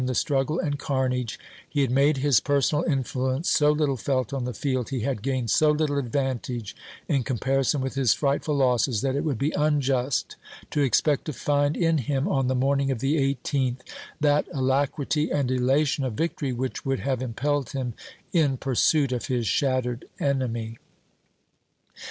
The fight of the day before had been so terrible in the struggle and carnage, he had made his per sonal influence so little felt on the field, he had gained so little advantage in comparison with his frightful losses, that it would be unjust to expect to find in him on the morning of the 18th that alacrity and elation of victory which would have impelled him in pursuit of his shattered enemy.